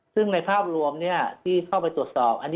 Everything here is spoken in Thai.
ซึ่งในภาพรวมที่เข้าไปตรวจสอบ